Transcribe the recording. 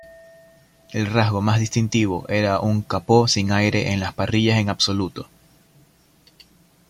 El rasgo más distintivo era un capó sin aire en las parrillas en absoluto.